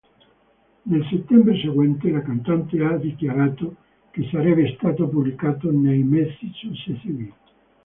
Nel settembre seguente la cantante ha dichiarato che sarebbe stato pubblicato nei mesi successivi.